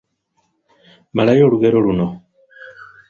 Malayo olugero luno.